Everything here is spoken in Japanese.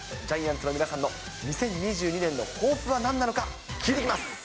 ジャイアンツの皆さんの、２０２２年の抱負はなんなのか、聞いてきます。